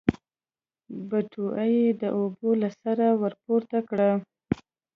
بټوه يې د اوبو له سره ورپورته کړه.